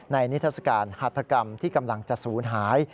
ในนิทธาศกาลหัดธกรรมที่กำลังจะสูญหาย